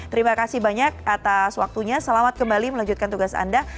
terima kasih banyak atas waktunya selamat kembali melanjutkan tugas anda